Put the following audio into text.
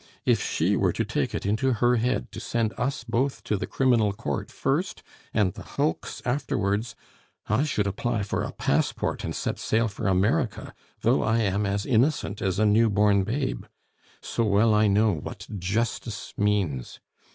If she were to take it into her head to send us both to the Criminal Court first and the hulks afterwards I should apply for a passport and set sail for America, though I am as innocent as a new born babe. So well I know what justice means.